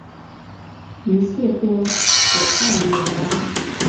一切都妥当惹拉